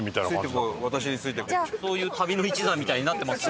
そういう旅の一座みたいになってますよね。